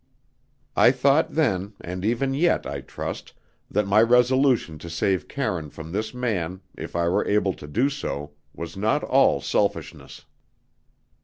I thought then (and even yet, I trust) that my resolution to save Karine from this man, if I were able to do so, was not all selfishness.